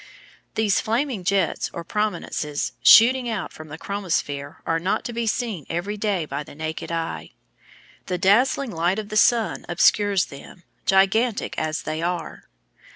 These flaming jets or prominences shooting out from the chromosphere are not to be seen every day by the naked eye; the dazzling light of the sun obscures them, gigantic as they are.